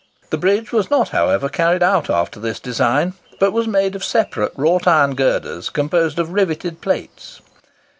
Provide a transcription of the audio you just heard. The bridge was not, however, carried out after this design, but was made of separate wrought iron girders composed of riveted plates.